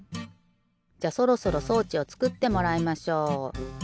じゃそろそろ装置をつくってもらいましょう。